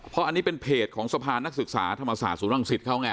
เพราะอันนี้เป็นเพจของสะพานนักศึกษาธรรมศาสตร์ศูนรังสิตเขาไง